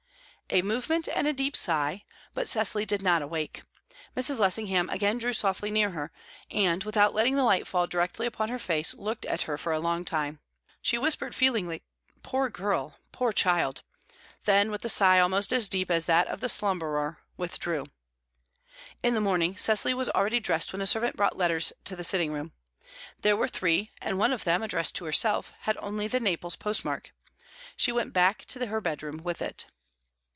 A movement, and a deep sigh; but Cecily did not awake. Mrs. Lessingham again drew softly near to her, and, without letting the light fall directly upon her face, looked at her for a long time. She whispered feelingly, "Poor girl! poor child!" then, with a sigh almost as deep as that of the slumberer, withdrew. In the morning, Cecily was already dressed when a servant brought letters to the sitting room. There were three, and one of them, addressed to herself, had only the Naples postmark. She went back to her bedroom with it.